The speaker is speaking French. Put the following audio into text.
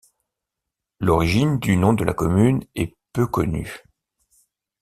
L'origine du nom de la commune est peu connue.